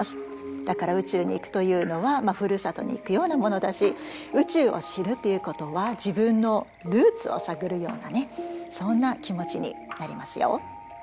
だから宇宙に行くというのはふるさとに行くようなものだし宇宙を知るということは自分のルーツを探るようなねそんな気持ちになりますよ。